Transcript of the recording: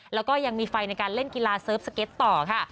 แล้วก็ยังมีไฟในการเล่นกีฬาเสิร์ฟสเก็ตต่อค่ะ